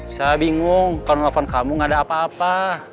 saya bingung kalau nelfon kamu gak ada apa apa